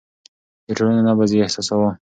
د ټولنې نبض يې احساساوه.